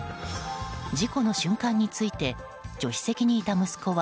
事故の瞬間について助手席にいた息子は